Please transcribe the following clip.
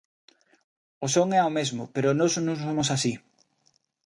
O son é o mesmo, pero nós non somos así.